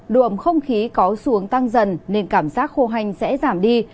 đùa ấm không khí có xuống tăng dần nên cảm giác khô hành sẽ giảm đi